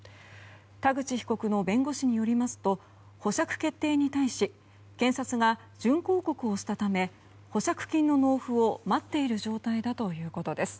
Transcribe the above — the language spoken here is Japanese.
田口被告の弁護士によりますと保釈決定に対し検察が準抗告をしたため保釈金の納付を待っている状態だということです。